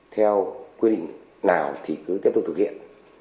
theo quy định nào thì cứ tiếp tục thực hiện